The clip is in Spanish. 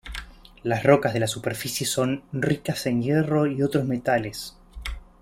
Las rocas de la superficie son ricas en hierro y otros metales.